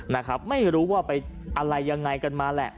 นะครับไม่รู้ว่าไปอะไรยังไงกันมาแหละ